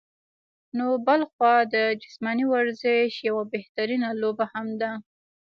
نو بلخوا د جسماني ورزش يوه بهترينه لوبه هم ده